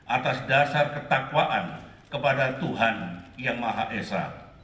atas dasar ketakwaan kepada tuhan yang maha esa